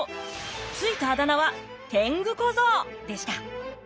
付いたあだ名は天狗小僧でした。